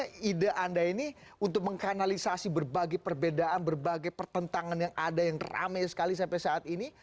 jadi ide anda ini untuk mengkanalisasi berbagai perbedaan berbagai pertentangan yang ada yang rame sekali sampai saat ini